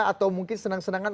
atau mungkin senang senangan